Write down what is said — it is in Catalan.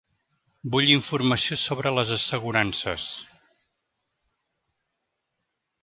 Vull informació sobre les assegurances.